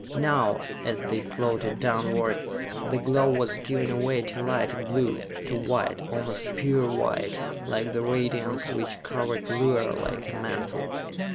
Now, as they floated downward, the glow was giving away to lighter blue, to white, almost pure white, like the radiance which covered Luar like a mantle.